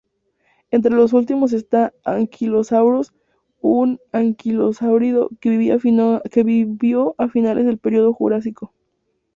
Entre los últimos está "Ankylosaurus", un anquilosáurido que vivió a finales del período Jurásico.